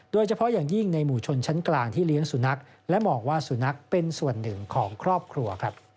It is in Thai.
โดยเฉพาะอย่างยิ่งในหมู่ชนชั้นกลางที่เลี้ยงสุนัขและมองว่าสุนัขเป็นส่วนหนึ่งของครอบครัว